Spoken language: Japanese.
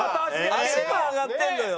足も上がってるのよ。